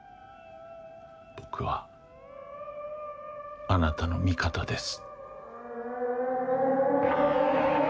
僕はあなたの味方です。